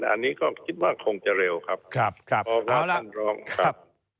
อันนี้ก็คิดว่าคงจะเร็วครับเพราะว่าท่านร้องครับ